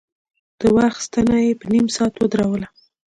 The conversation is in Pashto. د وخت ستنه يې په نيم ساعت ودروله.